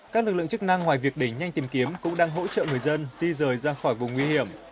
các lực lượng chức năng ngoài việc để nhanh tìm kiếm cũng đang hỗ trợ người dân di rời ra khỏi vùng nguy hiểm